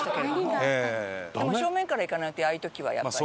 でも正面からいかないとああいう時はやっぱり。